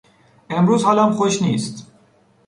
امروز حالم خوش نیست.